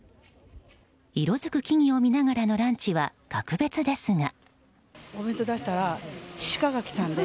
色づく木々を見ながらのランチは格別ですが。